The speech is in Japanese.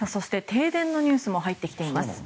停電のニュースも入ってきています。